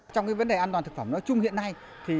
trong vấn đề an toàn thực phẩm nói chung hiện nay